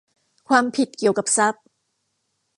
ความผิดเกี่ยวกับทรัพย์